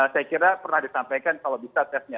saya kira pernah disampaikan kalau bisa tesnya